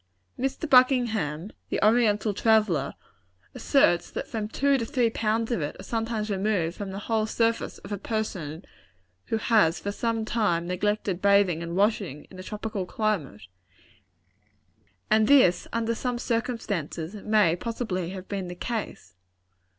Mr. Buckingham, the Oriental traveller, asserts that from two to three pounds of it are sometimes removed from the whole surface of a person who has for some time neglected bathing and washing, in a tropical climate; and this, under some circumstances, may possibly have been the case.